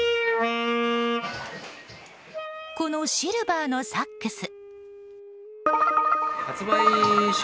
このシルバーのサックス。